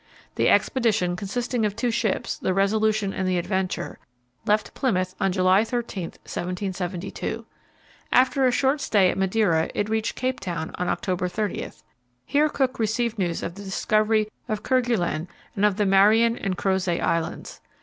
The expedition, consisting of two ships, the Resolution and the Adventure, left Plymouth on July 13, 1772. After a short stay at Madeira it reached Cape Town on October 30. Here Cook received news of the discovery of Kerguelen and of the Marion and Crozet Islands.